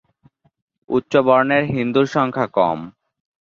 উচ্চ বর্ণের হিন্দুর সংখ্যা কম।